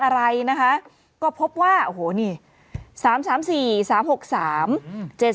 อะไรนะคะก็พบว่าโอ้โหนี่สามสามสี่สามหกสามอืม